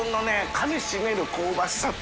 かみ締める香ばしさと。